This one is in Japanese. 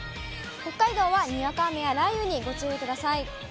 北海道はにわか雨や雷雨にご注意ください。